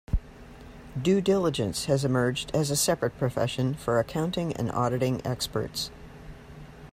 Due Diligence has emerged as a separate profession for accounting and auditing experts.